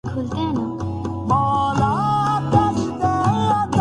تو یہ اونٹ کی پیٹھ پر آخری تنکا ثابت ہو سکتا ہے۔